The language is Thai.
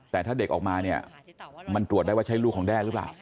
แต่ถ้าเด็กออกมาเนี่ยมันตรวจได้ว่าใช่ลูกของแด้หรือเปล่า